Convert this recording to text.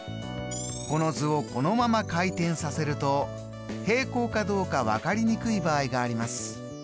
この図をこのまま回転させると平行かどうか分かりにくい場合があります。